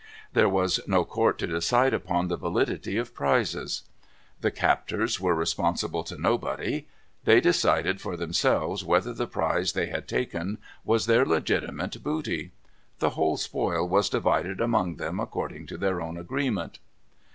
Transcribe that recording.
There was no court to decide upon the validity of prizes. The captors were responsible to nobody. They decided for themselves whether the prize they had taken was their legitimate booty. The whole spoil was divided among them according to their own agreement.